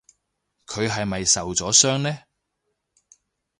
佢係咪受咗傷呢？